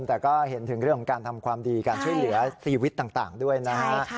แต่ก็เห็นถึงเรื่องของการทำความดีการช่วยเหลือชีวิตต่างด้วยนะฮะ